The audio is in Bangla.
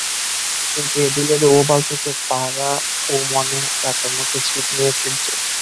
কিন্তু অ্যাডিলেড ওভাল থেকে তারাও মনে রাখার মতো স্মৃতি নিয়ে ফিরেছে।